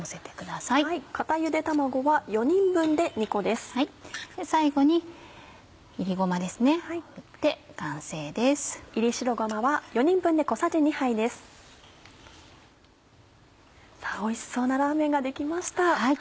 さぁおいしそうなラーメンが出来ました。